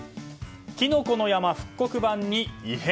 きのこの山復刻版に異変。